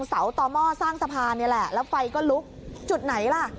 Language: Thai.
เสาต่อหม้อสร้างสะพานนี่แหละแล้วไฟก็ลุกจุดไหนล่ะ